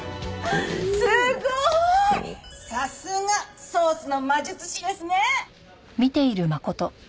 さすがソースの魔術師ですね。